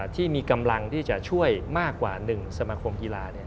ที่มีกำลังที่จะช่วยมากกว่า๑สมาคมกีฬา